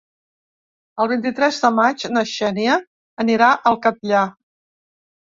El vint-i-tres de maig na Xènia anirà al Catllar.